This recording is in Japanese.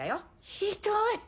ひどい。